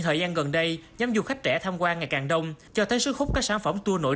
thời gian gần đây nhóm du khách trẻ tham quan ngày càng đông cho thấy sức hút các sản phẩm tour nội